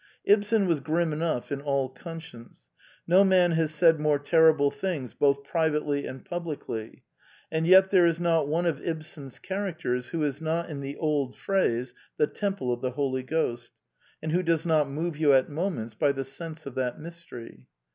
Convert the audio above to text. Ibsen was grim enough in all conscience: no man has said more terrible things both privately and pub licly; and yet there is not one of Ibsen's char acters who is not, in the old phrase, the temple of the Holy Ghost, and who does not move you at moments by the sense of that mystery.